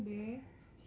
ya disana tuh